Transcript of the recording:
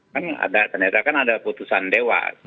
kan ada ternyata kan ada putusan dewas